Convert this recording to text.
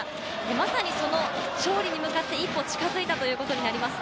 まさに勝利に向かって、一歩近づいたということになります。